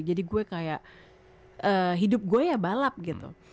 jadi gue kayak hidup gue ya balap gitu